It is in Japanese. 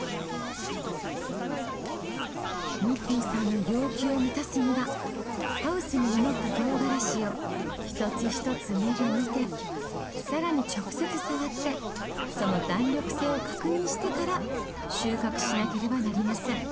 ニッティンさんの要求を満たすにはハウスに実ったとうがらしを一つ一つ目で見て更に直接触ってその弾力性を確認してから収穫しなければなりません。